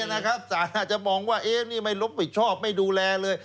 สารอาจจะมองว่านี่ไม่รับผิดชอบไม่ดูแลเลย